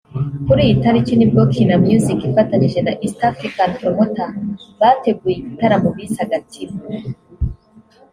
Kuri iyi tariki nibwo Kina Music ifatinyije na East African Promoters bateguye igitaramo bise Agatima